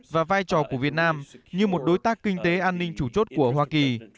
và vai trò của việt nam như một đối tác kinh tế an ninh chủ chốt của hoa kỳ